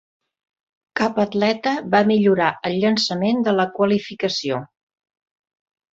Cap atleta va millorar el llançament de la qualificació.